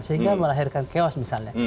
sehingga melahirkan chaos misalnya